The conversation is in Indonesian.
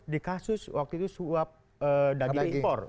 di kasus waktu itu suap daging impor